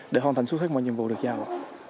để hoàn thành suốt hết mọi nhiệm vụ được giao